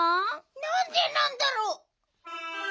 なんでなんだろう。